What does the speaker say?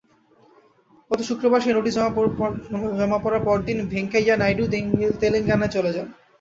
গত শুক্রবার সেই নোটিশ জমা পড়ার পরদিন ভেঙ্কাইয়া নাইডু তেলেঙ্গানায় চলে যান।